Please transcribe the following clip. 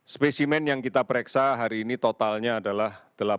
spesimen yang kita pereksa hari ini totalnya adalah delapan belas dua ratus dua puluh sembilan